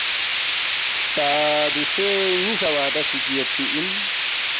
تا دوسے ن٘ی سہ وعدے چِک یودپی اِن